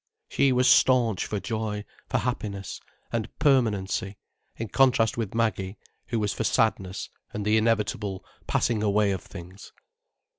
She was staunch for joy, for happiness, and permanency, in contrast with Maggie, who was for sadness, and the inevitable passing away of things.